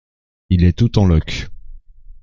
Il est tout en loques !